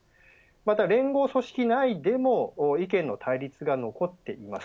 また、連合組織内でも意見の対立が残っています。